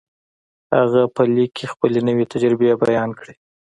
هغه په ليک کې خپلې نوې تجربې بيان کړې.